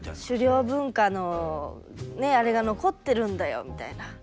「狩猟文化のねあれが残ってるんだよ」みたいな。